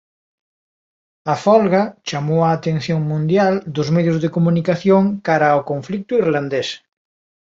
A folga chamou a atención mundial dos medios de comunicación cara ao conflito irlandés.